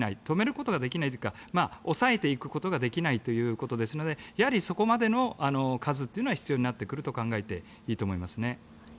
止めることができないというか抑えていくことができないということなのでやはりそこまでの数というのは必要になってくると考えていいと思いますね。